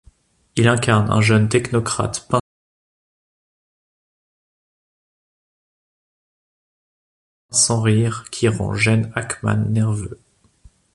Il incarne un jeune technocrate pince-sans-rire qui rend Gene Hackman nerveux.